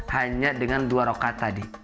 hanya dengan dua rokaat tadi